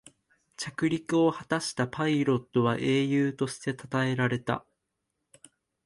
着陸を果たしたパイロットは英雄としてたたえられた